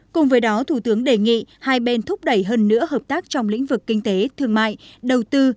cùng với đó thủ tướng đề nghị hai bên thúc đẩy hơn nữa hợp tác trong lĩnh vực kinh tế thương mại đầu tư